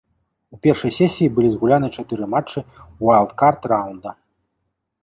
У першай сесіі былі згуляны чатыры матчы ўайлдкард раўнда.